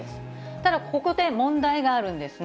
ただ、ここで問題があるんですね。